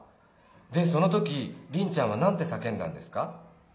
でその時リンちゃんは何て叫んだんですか？